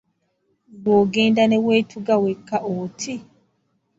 Ggwe ogenda ne weetuga wekka oti.